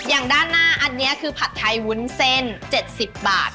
อย่างด้านหน้าอันนี้คือผัดไทยวุ้นเส้น๗๐บาท